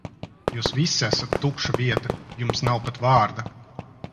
Jūs visi esat tukša vieta, jums nav pat vārda.